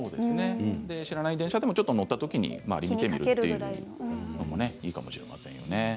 知らない電車でもちょっと乗ったときに見てみるのもいいかもしれませんね。